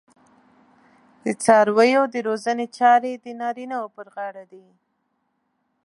د څارویو د روزنې چارې د نارینه وو پر غاړه دي.